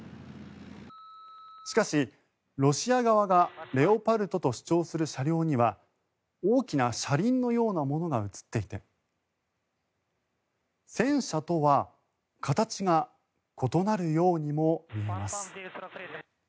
しかし、ロシア側がレオパルトと主張する車両には大きな車輪のようなものが映っていて戦車とは形が異なるようにも見えます。